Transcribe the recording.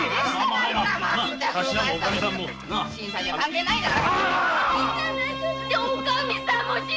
新さんには関係ないだろ。